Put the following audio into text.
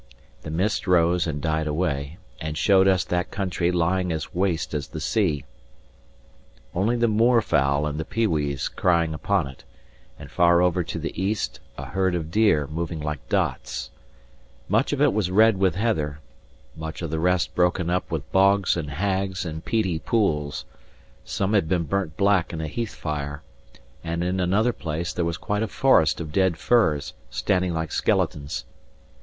The mist rose and died away, and showed us that country lying as waste as the sea; only the moorfowl and the pewees crying upon it, and far over to the east, a herd of deer, moving like dots. Much of it was red with heather; much of the rest broken up with bogs and hags and peaty pools; some had been burnt black in a heath fire; and in another place there was quite a forest of dead firs, standing like skeletons.